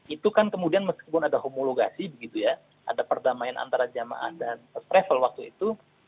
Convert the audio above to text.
itu kan kemudian meskipun ada homologasi begitu ya ada perdamaian antara jamaah dan first travel waktu itu